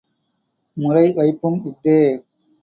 முறை வைப்பும் இஃதே.